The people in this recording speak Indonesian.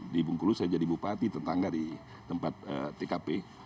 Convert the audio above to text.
di bengkulu saya jadi bupati tetangga di tempat tkp